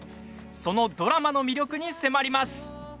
そのドラマの魅力に迫ります！